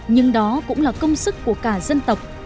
nhưng đó cũng là công sức của cả dân tộc